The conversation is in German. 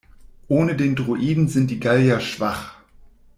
Ohne den Druiden sind die Gallier schwach.